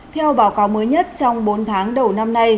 theo báo cáo mới nhất trong bốn tháng đầu năm nay